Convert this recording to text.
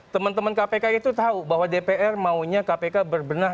teman teman kpk itu tahu bahwa dpr maunya kpk berbenah